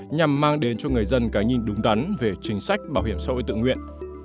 nhằm mang đến cho người dân cái nhìn đúng đắn về chính sách bảo hiểm xã hội tự nguyện